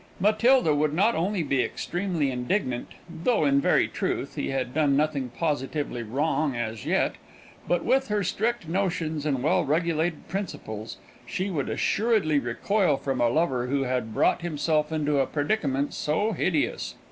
Matilda would not only be extremely indignant (though, in very truth, he had done nothing positively wrong as yet), but, with her strict notions and well regulated principles, she would assuredly recoil from a lover who had brought himself into a predicament so hideous.